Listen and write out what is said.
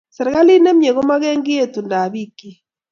Serkalit ne mie komokekiy etundab bikchi